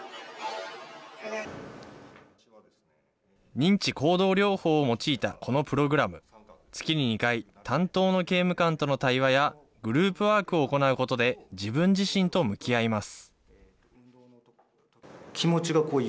認知行動療法を用いたこのプログラム、月に２回、担当の刑務官との対話や、グループワークを行うことで、自分自身と向き合います。